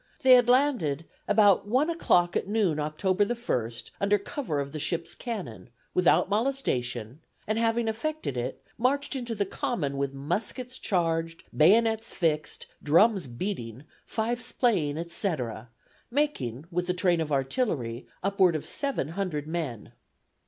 They had landed "about one o'clock at noon, October the first, under cover of the ship's cannon, without molestation; and, having effected it, marched into the Common with muskets charged, bayonets fixed, drums beating, fifes playing, etc., making, with the train of artillery, upward of seven hundred men."